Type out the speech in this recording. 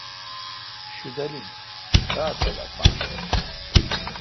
شدل این تاؘ تل اپان رل